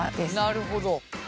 なるほど。